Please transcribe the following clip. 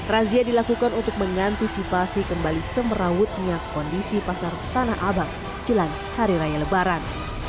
razia dilakukan untuk mengantisipasi kembali semerawutnya kondisi pasar tanah abang jelang hari raya lebaran